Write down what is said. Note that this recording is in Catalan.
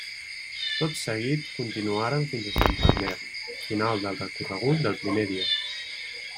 Tot seguit continuaren fins a Santander, final del recorregut del primer dia.